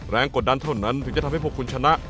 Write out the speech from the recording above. กดดันเท่านั้นถึงจะทำให้พวกคุณชนะ